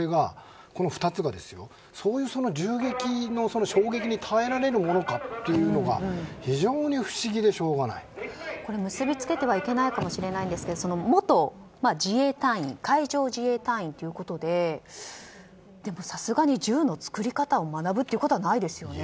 この２つがそういう銃撃の衝撃に耐えられるかどうかというのがこれ、結びつけてはいけないかもしれないんですけど元自衛隊員海上自衛隊員ということででも、さすがに銃の作り方を学ぶことはないですよね？